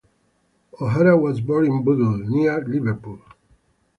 O'Hara was born in Bootle, near Liverpool.